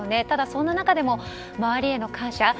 ただ、そんな中でも周りへの感謝